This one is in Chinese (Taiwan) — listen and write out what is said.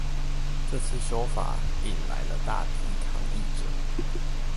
這次修法引來了大批抗議者